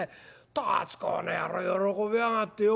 たつ公の野郎喜びやがってよ。